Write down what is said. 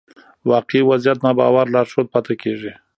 واقعي وضعيت ناباور لارښود پاتې کېږي.